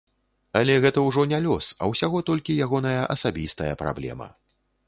Але гэта ўжо не лёс, а ўсяго толькі ягоная асабістая праблема.